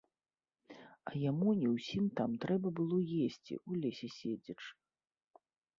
А яму і ўсім там трэба было есці, у лесе седзячы.